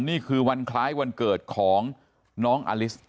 นี่คือวันคล้ายวันเกิดของน้องอลิส